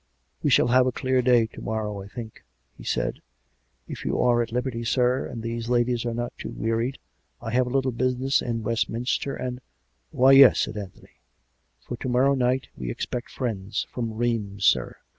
" We shall have a clear day to morrow, I think," he said. "If you are at liberty, sir, and these ladies are not too wearied — I have a little business in Westminster; and "" Why, yes," said Anthony, " for to morrow night we expect friends. From Rheims, sir."